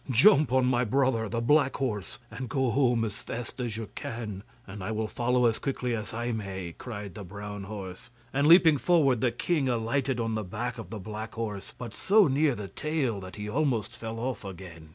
'Jump on my brother, the black horse, and go home as fast as you can, and I will follow as quickly as I may,' cried the brown horse; and leaping forward the king alighted on the back of the black horse, but so near the tail that he almost fell off again.